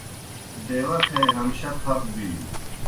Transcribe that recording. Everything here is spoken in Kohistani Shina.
ڈیوہ کھریْ ہمشہ تھپ بِینوْ